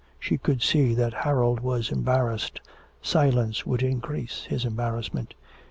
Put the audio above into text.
She could see that Harold was embarrassed, silence would increase his embarrassment.